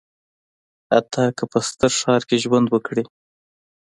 حتی که په ستر ښار کې ژوند وکړي.